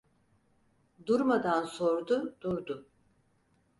Durmadan sordu durdu...